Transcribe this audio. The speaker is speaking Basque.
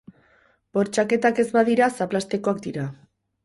Bortxaketak ez badira, zaplastekoak dira.